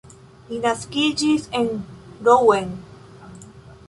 Li naskiĝis en Rouen.